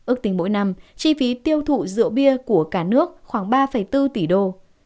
ước tính mỗi năm chi phí tiêu thụ rượu bia của cả nước khoảng ba bốn tỷ đô